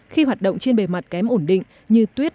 khi hoạt động trên bề mặt kém ổn định như tuyết